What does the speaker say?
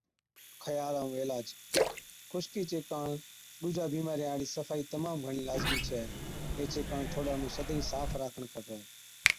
خيال ائُون عِلاج، خُشڪِي چي ڪاڻ ڏُوجِيان بِيمارِيان هاڙِي صفائِي تمام گھڻِي لازمِي ڇَي۔ ايڇي ڪاڻ ٺوڏا نُون سدائِين صاف راکڻ کپَي۔